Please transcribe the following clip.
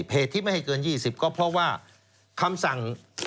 เหตุที่ไม่ให้เกิน๒๐ก็เพราะว่าคำสั่ง